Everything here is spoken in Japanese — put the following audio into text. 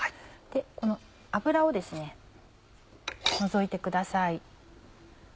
この脂を除いてください。